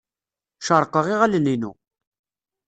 Cerrqeɣ iɣallen-inu.